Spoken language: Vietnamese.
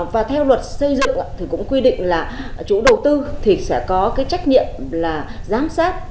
và theo luật xây dựng thì cũng quy định là chủ đầu tư thì sẽ có cái trách nhiệm là giám sát